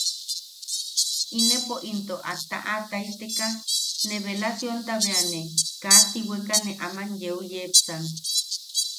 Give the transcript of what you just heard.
Inepo into a tataʼataiteka ne beelasionta bea ne kaa tiweka ne aman yeu yepsan.